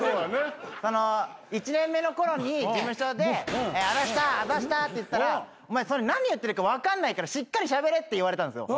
１年目のころに事務所であざっしたあざっしたって言ったらお前それ何言ってるか分かんないからしっかりしゃべれって言われたんすよ。